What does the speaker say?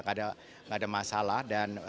tidak ada masalah